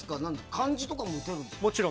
漢字とかも打てるんですか？